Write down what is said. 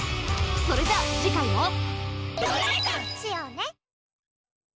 それじゃあ次回も。